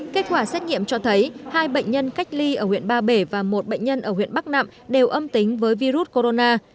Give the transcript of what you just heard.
kết quả xét nghiệm cho thấy hai bệnh nhân cách ly ở huyện ba bể và một bệnh nhân ở huyện bắc nạm đều âm tính với virus corona